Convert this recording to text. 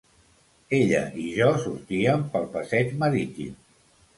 Ella i jo sortíem pel passeig marítim.